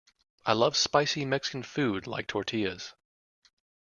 I love spicy Mexican food like tortillas.